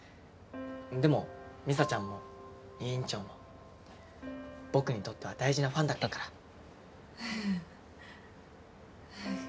でも美沙ちゃんも委員長も僕にとっては大事なファンだったから。